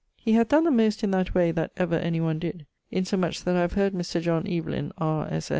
He hath donne the most in that way that ever any one did, insomuch that I have heard Mr. John Evelyn, R.